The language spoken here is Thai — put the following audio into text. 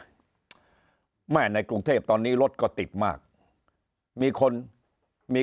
ป่วยฉุกเฉินนี่ล่ะไม่ในกรุงเทพฯตอนนี้รถก็ติดมากมีคนมี